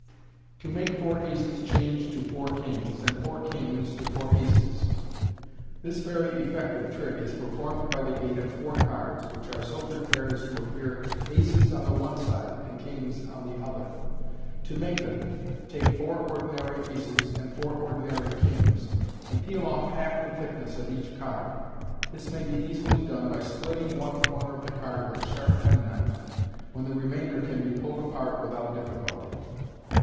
To make Four Aces changb to Four Kings, and Four Kings to Four Aces. — This very effective trick is performed by the aid of four cards, which are so prepared as to appear aces on the one side and kings on the other. To make them, take four ordinary tees and four ordinary kings, and peel off half the thickness of each card. This may be easily done by splitting one corner of the card with a sharp penknife, when the remainder can be pulled apart with out difficulty.